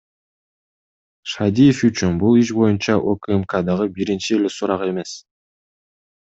Шадиев үчүн бул иш боюнча УКМКдагы биринчи эле сурак эмес.